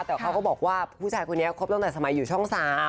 แต่เขาก็บอกว่าผู้ชายคนนี้คบตั้งแต่สมัยอยู่ช่อง๓